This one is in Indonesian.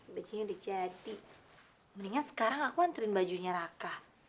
bajunya udah jadi mendingan sekarang aku antren bajunya raka